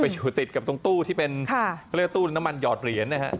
ไปอยู่ติดกับตรงตู้ที่เป็นค่ะก็เรียกว่าตู้น้ำมันหยอดเหรียญนะฮะ